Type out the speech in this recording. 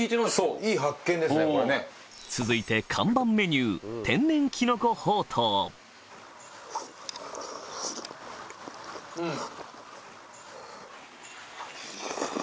続いて看板メニューうん。